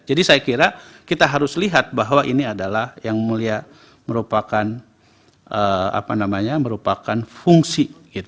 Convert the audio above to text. jadi saya kira kita harus lihat bahwa ini adalah yang mulia merupakan fungsi